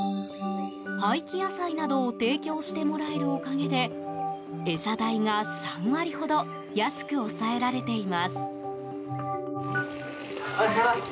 廃棄野菜などを提供してもらえるおかげで餌代が３割ほど安く抑えられています。